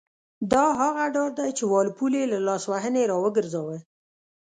دا هغه ډار دی چې وال پول یې له لاسوهنې را وګرځاوه.